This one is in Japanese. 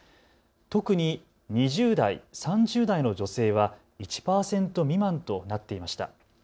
特に２０代、３０代の女性は１％未満となっていました。